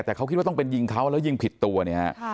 แต่เขาคิดว่าต้องเป็นยิงเขาแล้วยิงผิดตัวเนี่ยฮะ